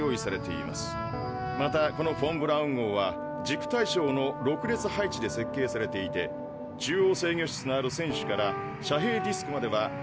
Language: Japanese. またこのフォン・ブラウン号は軸対称の６列配置で設計されていて中央制御室のある船首から遮蔽ディスクまでは与圧区画